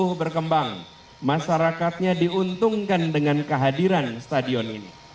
masa lalu berkembang masyarakatnya diuntungkan dengan kehadiran stadion ini